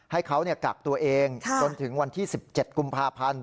ให้เขากักตัวเองจนถึงวันที่๑๗กุมภาพันธ์